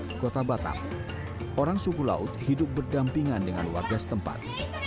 di kota batam orang suku laut hidup berdampingan dengan warga setempat